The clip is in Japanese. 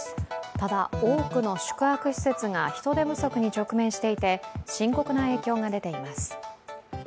ただ、多くの宿泊施設が人手不足に直面していて、深刻な影響が出ています。